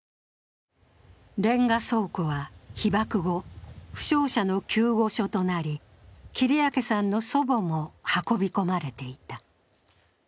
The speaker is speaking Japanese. レンガ倉庫は被爆後、負傷者の救護所となり切明さんの祖母も運び込まれていた。